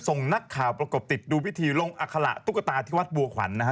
ส่งนักข่าวประกบติดดูพิธีลงอัคละตุ๊กตาที่วัดบัวขวัญนะฮะ